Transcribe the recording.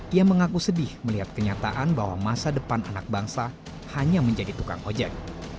ia mengaku sedih melihat kenyataan bahwa masa depan anak bangsa hanya menjadi tukang ojek